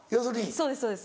そうですそうです。